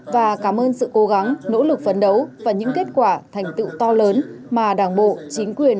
và cảm ơn sự cố gắng nỗ lực phấn đấu và những kết quả thành tựu to lớn mà đảng bộ chính quyền